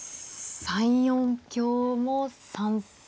３四香も３三。